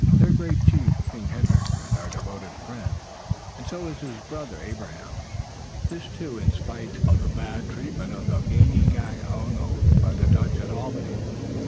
Their great chief, King Hendrick, is our devoted friend, and so is his brother, Abraham. This, too, in spite of the bad treatment of the Ganeagaono by the Dutch at Albany.